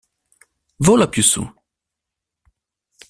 Vola più su